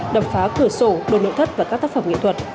đập phá cửa sổ đồ nội thất và các tác phẩm nghệ thuật